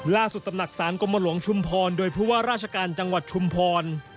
ล่าสุดตำหนักสารกลมหลวงชุมพรโดยเพราะว่าราชการจังหวัดชุมพร